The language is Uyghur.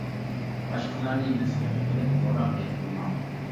باشقىلارنى مەسخىرە قىلىپ، دوراپ گەپ قىلماڭ.